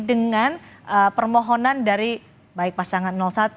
dengan permohonan dari baik pasangan satu